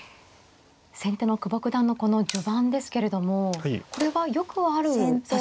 先手の久保九段のこの序盤ですけれどもこれはよくある指し方なんでしょうか。